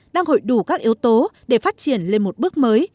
đủ các yếu tố để phát triển lên một bước mới